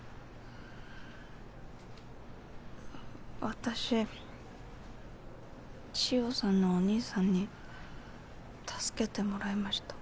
私千代さんのお兄さんに助けてもらいました。